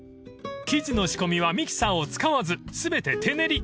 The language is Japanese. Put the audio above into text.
［生地の仕込みはミキサーを使わず全て手練り］